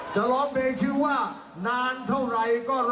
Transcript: จะร้องเพลงชื่อว่านานเท่าไหร่ก็